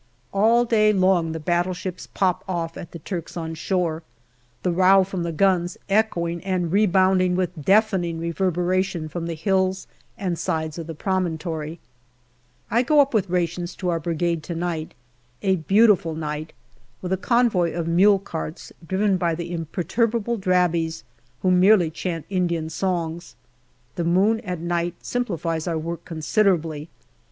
All day long the battleships pop off at the Turks on shore, the row from the guns echoing and rebounding with deafening reverberation from the hills and sides of the promontory. 212 GALLIPOLI DIARY I go up with rations to our Brigade to night a beautiful night with a convoy of mule carts driven by the imper turbable Drabis, who merrily chant Indian songs. The moon at night simplifies our work considerably.